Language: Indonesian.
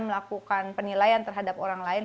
melakukan penilaian terhadap orang lain